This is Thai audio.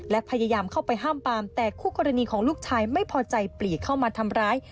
และพยายามเข้าไปห้ามปามแต่คู่กรณีของลูกชายไม่พอใจปลีกเข้ามาทำร้าย